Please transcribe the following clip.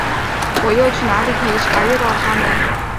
我又去哪里可以查阅到它呢？